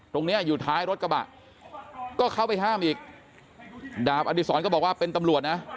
ตรงเนี้ยอยู่ท้ายรถกระบะก็เข้าไปห้ามอีกดาบอดีศรก็บอกว่าเป็นตำรวจนะ